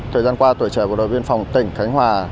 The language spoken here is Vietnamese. thời gian qua tuổi trẻ bộ đội biên phòng tỉnh khánh hòa